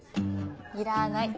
いらない。